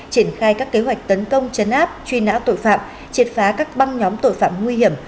triển khai các kế hoạch tấn công chấn áp truy nã tội phạm triệt phá các băng nhóm tội phạm nguy hiểm